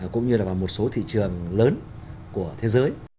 cũng như là vào một số thị trường lớn của thế giới